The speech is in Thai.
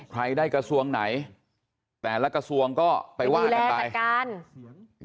ใครได้กระทรวงไหนแต่ละกระทรวงก็ไปว่ากันไปไปดูแลกันกัน